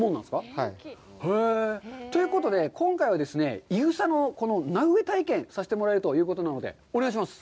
はい。ということで、今回はですね、いぐさの苗植え体験、させてもらえるということなので、お願いします。